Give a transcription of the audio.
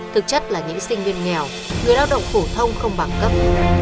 thực chất là những sinh viên nghèo người lao động phổ thông không bằng cấp